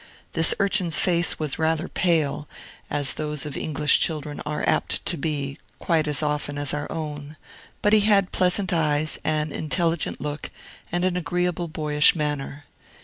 This urchin's face was rather pale (as those of English children are apt to be, quite as often as our own), but he had pleasant eyes, an intelligent look, and an agreeable, boyish manner.